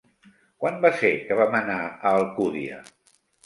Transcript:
Quan va ser que vam anar a Alcúdia?